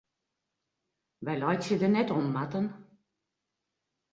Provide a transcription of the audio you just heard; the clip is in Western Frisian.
Wy laitsje der net om, Marten.